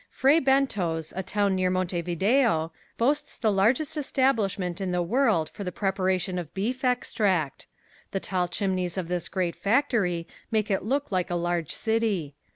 Fray Bentos, a town near Montevideo, boasts of the largest establishment in the world for the preparation of beef extract. The tall chimneys of this great factory make it look like a large city.